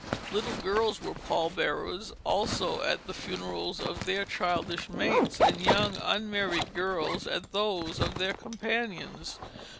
Little girls were pall bearers also at the funerals of their childish mates, and young unmarried girls at those of their companions.